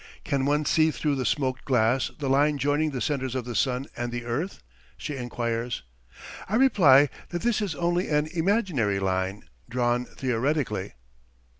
"Can one see through the smoked glass the line joining the centres of the sun and the earth?" she enquires. I reply that this is only an imaginary line, drawn theoretically.